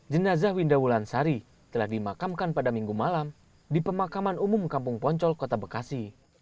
jenazah winda wulansari telah dimakamkan pada minggu malam di pemakaman umum kampung poncol kota bekasi